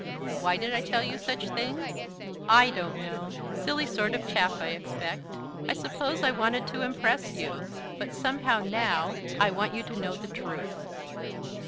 "Why did I tell you such things? I don't know. Silly sort of chap, I expect. I suppose I wanted to impress you. But somehow, now, I want you to know the truth."